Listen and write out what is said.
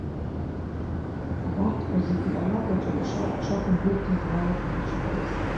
Абарҭқәа зегьы алакәаҿ еиԥш ауп дшақәымгәыӷӡоз иаалырҟьаны ишыҟалаз.